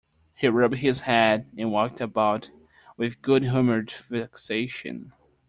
He rubbed his head and walked about with good-humoured vexation.